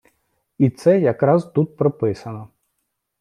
І це якраз тут прописано.